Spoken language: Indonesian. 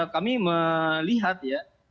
kami melihat ya